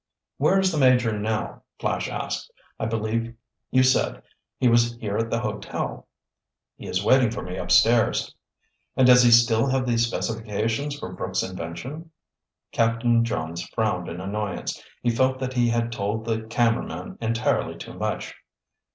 "Where is the Major now?" Flash asked. "I believe you said he was here at the hotel." "He is waiting for me upstairs." "And does he still have the specifications for Brooks' invention?" Captain Johns frowned in annoyance. He felt that he had told the cameraman entirely too much.